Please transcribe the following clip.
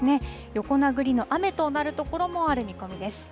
横殴りの雨となる所もある見込みです。